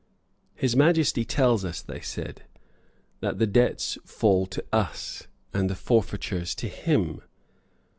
"His Majesty tells us," they said, "that the debts fall to us and the forfeitures to him.